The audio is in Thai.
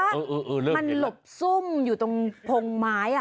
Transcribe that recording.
มันหลบซุ่มอยู่ตรงพงไม้